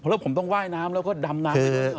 แล้วผมต้องว่ายน้ำแล้วก็ดำน้ำ